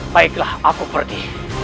baiklah aku pergi